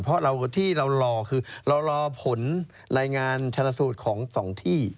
เพราะที่เรารอคือเรารอผลรายงานชนสูตรของสองที่